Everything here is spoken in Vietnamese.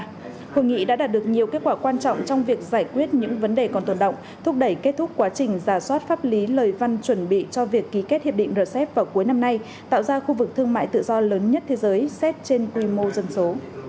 trong đó hội nghị đã đạt được nhiều kết quả quan trọng trong việc giải quyết những vấn đề còn tồn động thúc đẩy kết thúc quá trình giả soát pháp lý lời văn chuẩn bị cho việc ký kết hiệp định rcep vào cuối năm nay tạo ra khu vực thương mại tự do lớn nhất thế giới xét trên quy mô dân số